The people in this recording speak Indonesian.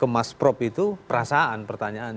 mas prop itu perasaan pertanyaan